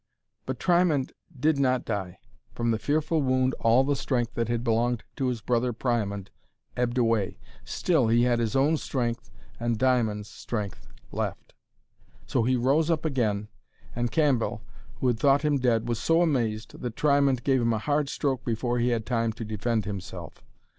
But Triamond did not die. From the fearful wound all the strength that had belonged to his brother Priamond ebbed away. Still he had his own strength and Diamond's strength left. So he rose up again, and Cambell, who had thought him dead, was so amazed that Triamond gave him a hard stroke before he had time to defend himself.